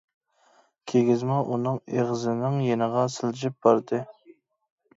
كىگىزمۇ ئۇنىڭ ئېغىزنىڭ يېنىغا سىلجىپ باردى.